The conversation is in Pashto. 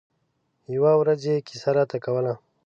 يوه ورځ يې کیسه راته کوله.